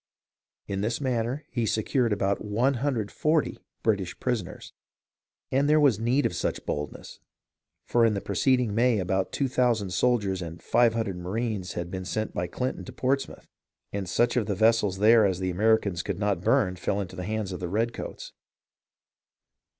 In this manner he secured about 140 British prisoners. And there was need of such boldness, for in the pre ceding May about 2000 soldiers and 500 marines had been sent by Clinton to Portsmouth, and such of the vessels there as the Americans could not burn fell into the hands of the redcoats.